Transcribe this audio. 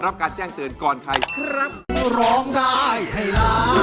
รับการแจ้งเตือนก่อนใครครับ